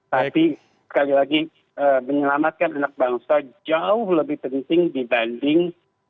tapi sekali lagi menyelamatkan anak bangsa jauh lebih penting dibanding